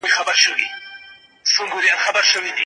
هغه په کتابتون کي درس لوست.